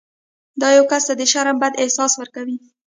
دا یو کس ته د شرم بد احساس ورکوي.